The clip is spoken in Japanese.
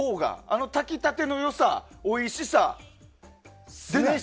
あの炊きたての良さおいしさが出ない？